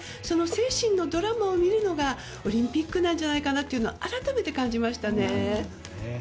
その精神のドラマを見るのがオリンピックなんじゃないかなと改めて感じましたね。